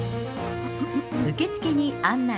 受付に案内。